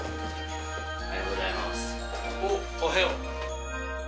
おはようございます。